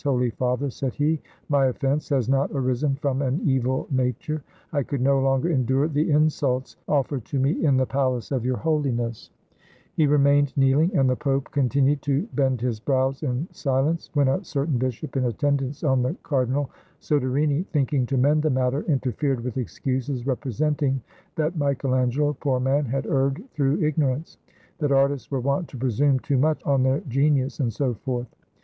"Holy Father," said he, "my offense has not arisen from an evil nature; I could no longer endure the insults offered to me in the palace of Your Hohness !" 99 ITALY He remained kneeling, and the Pope continued to bend his brows in silence; when a certain bishop, in attend ance on the Cardinal Soderini, thinking to mend the matter, interfered with excuses, representing that "Michael Angelo — poor man! — had erred through ignorance; that artists were wont to presume too much on their genius," and so forth.